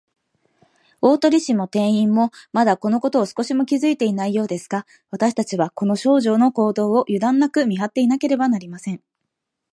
大鳥氏も店員も、まだ、このことを少しも気づいていないようですが、わたしたちは、この少女の行動を、ゆだんなく見はっていなければなりません。